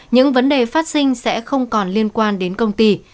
những vấn đề phát sinh sẽ không còn liên quan đến công ty